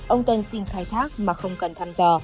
ông tân xin khai thác mà không cần tham gia